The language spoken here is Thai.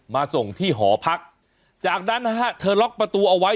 มาส่งที่หอพักจากนั้นนะฮะเธอล็อกประตูเอาไว้